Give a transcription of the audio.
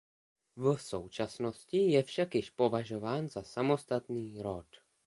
V současnosti je však již považován za samostatný rod.